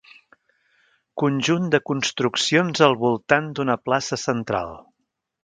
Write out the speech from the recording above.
Conjunt de construccions al voltant d'una plaça central.